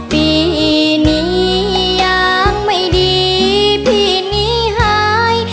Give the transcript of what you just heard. ปีนี้ยังไม่ดีพี่หนีหาย